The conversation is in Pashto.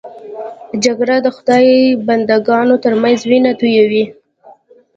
جګړه د خدای بنده ګانو تر منځ وینه تویوي